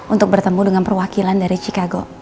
untuk bertemu dengan perwakilan dari chicago